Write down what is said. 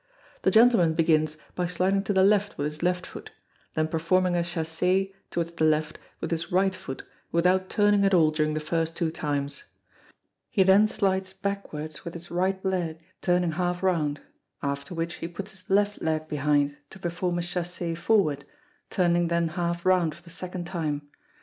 The gentleman begins by sliding to the left with his left foot, then performing a chassez towards the left with his right foot without turning at all during the first two times. He then slides backwards with his right leg, turning half round; after which he puts his left leg behind, to perform a chassez forward, turning then half round for the second time.